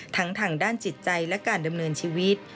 ทางด้านจิตใจและการดำเนินชีวิต